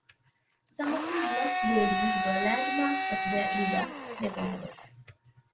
Some of his lost buildings were landmarks of their era, nevertheless.